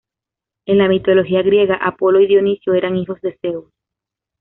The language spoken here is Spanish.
En la mitología griega, Apolo y Dioniso eran hijos de Zeus.